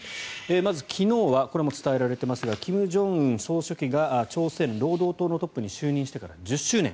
まず昨日はこれはもう伝えられていますが金正恩総書記が朝鮮労働党のトップに就任してから１０周年。